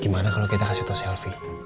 gimana kalau kita kasih to selfie